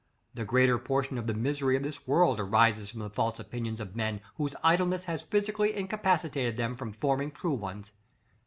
The greater portion of the misery of this world arises from the false opinions of men whose idleness has physically incapacitated them from forming true ones.